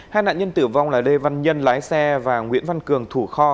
hai nạn nhân tử vong là lê văn nhân lái xe và nguyễn văn cường thủ kho